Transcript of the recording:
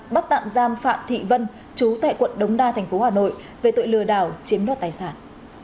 bắt tạm giam phạm thị vân chú tại quận đống đa tp hà nội về tội lừa đảo chiếm đoạt tài sản